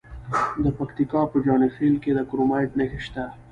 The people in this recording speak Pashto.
د پکتیکا په جاني خیل کې د کرومایټ نښې شته.